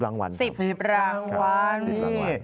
๑๐รางวัลสิบรางวัลนี่